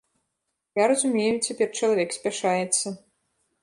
Я разумею, цяпер чалавек спяшаецца.